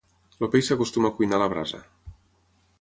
El peix s'acostuma a cuina a la brasa.